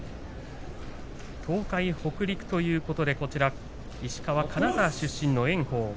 東海、北陸ということで石川・金沢市出身の炎鵬